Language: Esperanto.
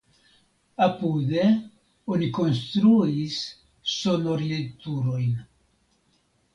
Apude oni konstruis sonoriloturojn.